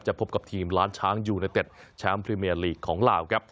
พบกับทีมล้านช้างยูเนเต็ดแชมป์พรีเมียลีกของลาวครับ